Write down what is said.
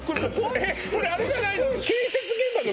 これあれじゃないの？